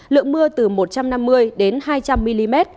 lượng mưa từ một trăm năm mươi đến hai trăm linh mm